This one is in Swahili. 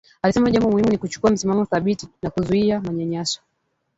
Alisema jambo muhimu ni kuchukua msimamo thabiti na kuzuia manyanyaso